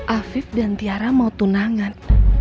afif dan tiara mau tunangan